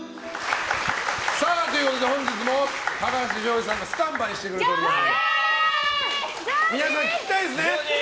本日も高橋ジョージさんがスタンバイしてくれております。